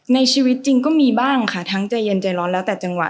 ในชีวิตจริงก็มีบ้างค่ะทั้งใจเย็นใจร้อนแล้วแต่จังหวะ